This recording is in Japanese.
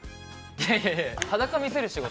いやいや、裸見せる仕事？